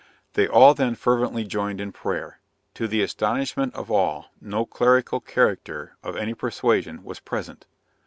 They all then fervently joined in prayer. To the astonishment of all, no clerical character, of any persuasion, was present.